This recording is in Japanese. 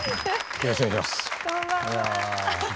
よろしくお願いします。